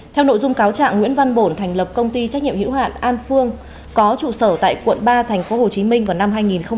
theo nội dung cáo trạng nguyễn văn bổn thành lập công ty trách nhiệm hữu hạn an phương có trụ sở tại quận ba thành phố hồ chí minh vào năm hai nghìn một mươi